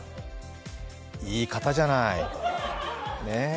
いい方じゃない。